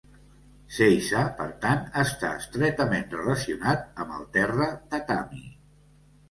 "Seiza", per tant, està estretament relacionat amb el terra "tatami".